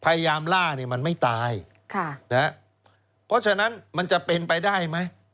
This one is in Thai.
พยายามล่าเนี่ยมันไม่ตายค่ะนะฮะเพราะฉะนั้นมันจะเป็นไปได้ไหม